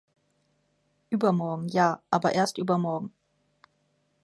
Übermorgen, ja, aber erst übermorgen.